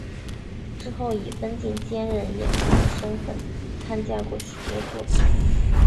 之后以分镜兼任演出的身分参加过许多作品。